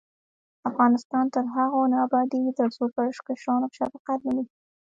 افغانستان تر هغو نه ابادیږي، ترڅو پر کشرانو شفقت ونشي.